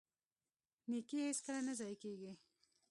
نیکي هیڅکله نه ضایع کیږي.